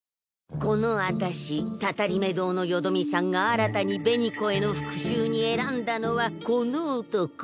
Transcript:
このあたしたたりめ堂のよどみさんが新たに紅子への復しゅうに選んだのはこの男。